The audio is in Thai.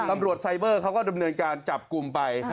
ตำรวจไซเบอร์เขาก็ดำเนินการจับกลุ่มไป